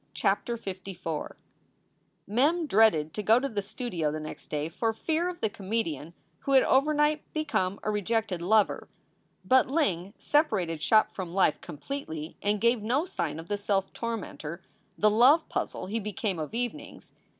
CHAPTER LIV MEM dreaded to go to the studio the next day for fear of the comedian who had overnight become a rejected lover. But Ling separated shop from life completely and gave no sign of the self tormentor, the love puzzle he became of evenings.